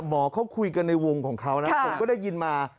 หมอเขาคุยกันในวงของเขานะผมก็ได้ยินมา